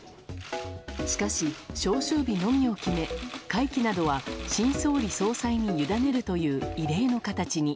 しかし、召集日のみを決め会期などは新総理総裁にゆだねるという異例の形に。